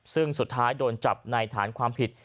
ซึ่งสุดท้ายโดนจับในฐานความผิด